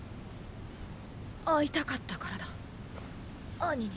会いたかったからだアニに。